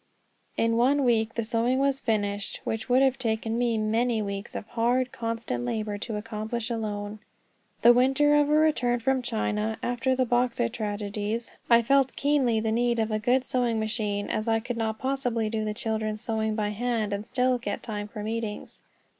In one week the sewing was finished, which would have taken me many weeks of hard, constant labor to accomplish alone. The winter of our return from China, after the Boxer tragedies, I felt keenly the need of a good sewing machine, as I could not possibly do the children's sewing by hand and still get time for meetings.